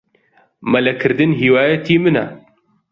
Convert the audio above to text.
مەلەکردن هیوایەتی منە.